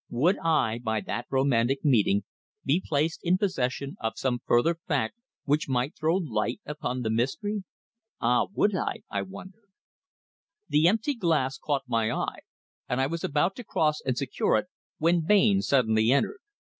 Would I, by that romantic meeting, be placed in possession of some further fact which might throw light upon the mystery? Ah! would I, I wondered? The empty glass caught my eye, and I was about to cross and secure it when Bain suddenly entered.